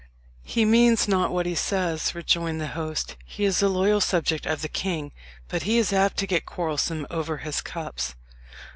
"He means not what he says," rejoined the host. "He is a loyal subject of the king; but he is apt to get quarrelsome over his cups."